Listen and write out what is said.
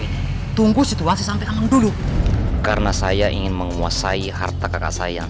ini tunggu situasi sampai anak dulu karena saya ingin menguasai harta kekasih yang